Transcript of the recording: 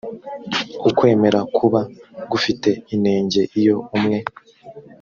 ukwemera kuba gufite inenge iyo umwe